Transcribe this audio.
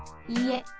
いいえ。